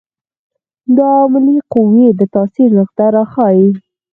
د عاملې قوې د تاثیر نقطه راښيي.